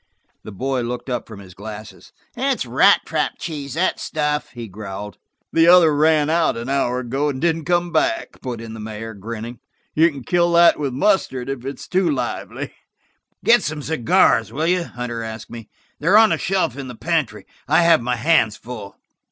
The boy looked up from his glasses. "It's rat trap cheese, that stuff," he growled. "The other ran out an hour ago and didn't come back," put in the mayor, grinning. "You can kill that with mustard, if it's too lively." "Get some cigars, will you?" Hunter asked me "They're on a shelf in the pantry. I have my hands full."